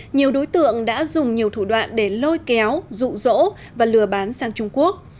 nhiều đối tượng đã dùng nhiều thủ đoạn để lôi kéo rụ rỗ và lừa bán sang trung quốc